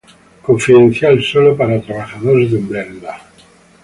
Confidencial solo para trabajadores de Umbrella.